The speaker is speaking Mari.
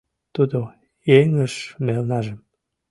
Тудо эҥыж мелнажым